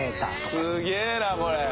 すげえなこれ。